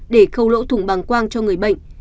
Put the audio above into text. để khâu lỗ thùng bảng quang cho người bệnh